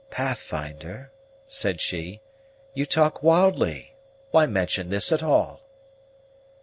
"Pathfinder," said she, "you talk wildly. Why mention this at all?"